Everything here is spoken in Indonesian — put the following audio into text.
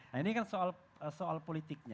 nah ini kan soal politiknya